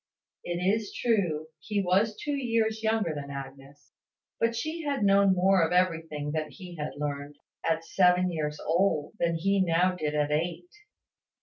It is true, he was two years younger than Agnes: but she had known more of everything that he had learned, at seven years old, than he now did at eight.